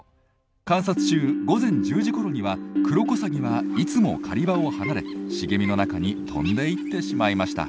観察中午前１０時ごろにはクロコサギはいつも狩り場を離れ茂みの中に飛んでいってしまいました。